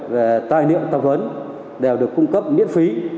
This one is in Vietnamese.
về tài niệm tẩm huấn đều được cung cấp miễn phí